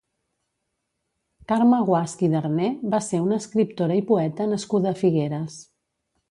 Carme Guasch i Darné va ser una escriptora i poeta nascuda a Figueres.